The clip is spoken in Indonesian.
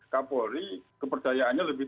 k polri kepercayaannya lebih